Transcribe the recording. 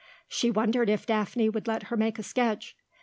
She wondered if Daphne would let her make a sketch.